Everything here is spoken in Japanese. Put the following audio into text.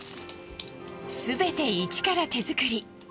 すべて一から手作り。